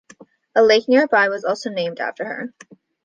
A lake nearby was also named after her.